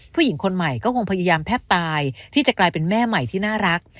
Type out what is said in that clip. ผู้หญิงคนใหม่ก็คงพยายามแทบตายที่จะกลายเป็นแม่ใหม่ที่น่ารัก